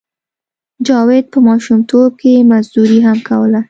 جاوید په ماشومتوب کې مزدوري هم کوله